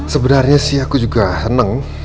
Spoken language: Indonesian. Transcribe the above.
sebenarnya sih aku juga senang